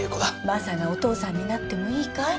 マサがお父さんになってもいいかい？